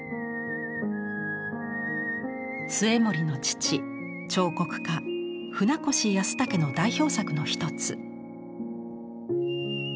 末盛の父彫刻家舟越保武の代表作の一つ。